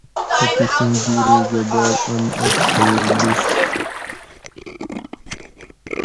اتوشی گیروگہ بعد ان اۤ چھیل لیِڄ